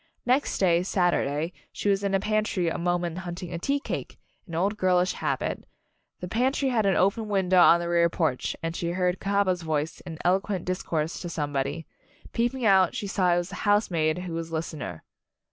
Next day, Saturday, she was in the pantry a moment hunting a tea cake an old girlish habit the pantry had an open window on the rear porch, and she heard Cahaba's voice in eloquent discourse to somebody. Peeping out she saw it was the housemaid who was listener.